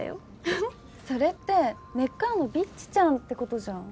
ふふっそれって根っからのビッチちゃんってことじゃん。